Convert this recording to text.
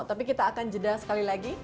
tapi kita akan jeda sekali lagi